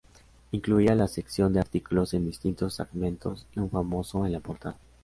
Incluía la sección de artículos en distintos segmentos y un famoso en la portada.